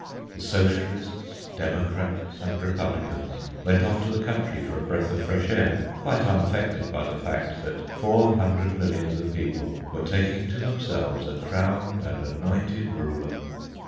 The Socialists, Democrats, and Republicans went off to the country for a breath of fresh air, quite unaffected by the fact that four hundred millions of people were taking to themselves a crowned and anointed ruler.